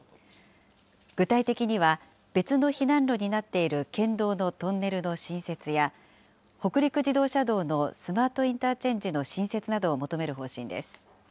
具体的には、別の避難路になっている県道のトンネルの新設や、北陸自動車道のスマートインターチェンジの新設などを求める方針です。